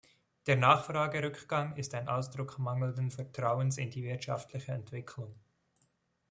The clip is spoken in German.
Der Nachfragerückgang ist ein Ausdruck mangelnden Vertrauens in die wirtschaftliche Entwicklung.